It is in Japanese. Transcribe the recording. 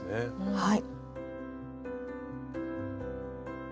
はい。